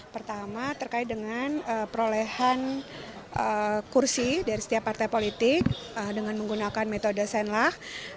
pertama terkait dengan perolehan kursi dari setiap partai politik dengan menggunakan metode senlah